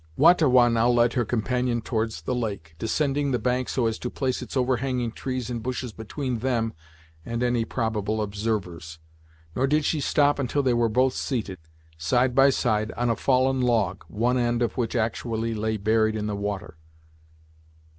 Wah ta Wah now led her companion towards the lake, descending the bank so as to place its overhanging trees and bushes between them and any probable observers. Nor did she stop until they were both seated, side by side, on a fallen log, one end of which actually lay buried in the water.